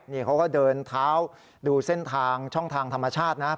นี่เขาก็เดินเท้าดูเส้นทางช่องทางธรรมชาตินะ